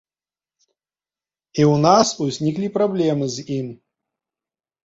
І ў нас узніклі праблемы з ім.